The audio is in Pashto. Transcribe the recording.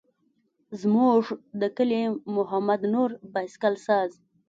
زموږ د کلي محمد نور بایسکل ساز.